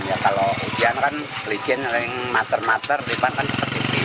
ya kalau ujian kan kelician yang mater mater diban kan seperti ini